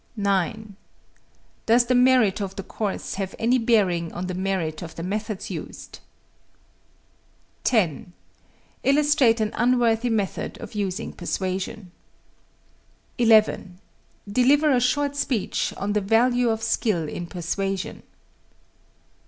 9. Does the merit of the course have any bearing on the merit of the methods used? 10. Illustrate an unworthy method of using persuasion. 11. Deliver a short speech on the value of skill in persuasion.